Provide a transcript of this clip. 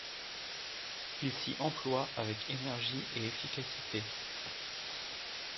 Il s’y emploie avec énergie et efficacité.